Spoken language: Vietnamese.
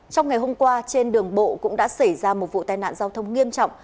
trong ngày hôm qua trên đường bộ cũng đã xảy ra một vụ tai nạn giao thông nghiêm trọng